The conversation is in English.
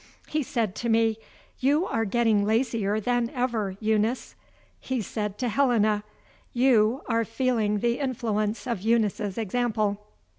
"He said to me: 'You are getting lazier than ever, Eunice.' He said to Helena: 'You are feeling the influence of Eunice's example.